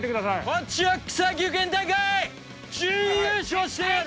こっちは草野球県大会準優勝してんやで！